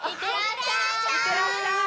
いってらっしゃい！